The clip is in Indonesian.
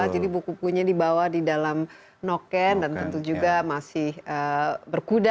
buku bukunya dibawa di dalam noken dan tentu juga masih berkuda